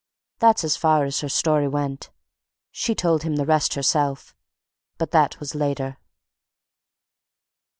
That's as far as her story went; she told him the rest herself, but that was later.